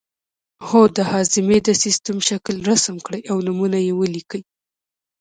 هو د هاضمې د سیستم شکل رسم کړئ او نومونه یې ولیکئ